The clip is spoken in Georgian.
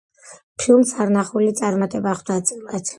ფილმს არნახული წარმატება ხვდა წილად.